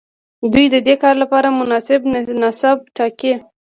دوی ددې کار لپاره مناسب نصاب ټاکي.